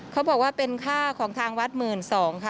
เขาบอกว่าเป็นค่าของทางวัด๑๒๐๐บาทค่ะ